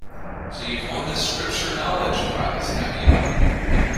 So you've won the Scripture-knowledge prize, have you?